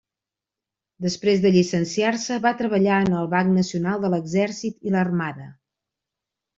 Després de llicenciar-se, va treballar en el Banc Nacional de l'Exèrcit i l'Armada.